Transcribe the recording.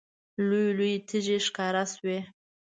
لویې لویې تیږې ښکاره شوې.